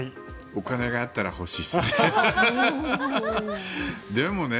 お金があったら欲しいですね。